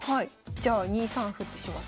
じゃあ２三歩ってします。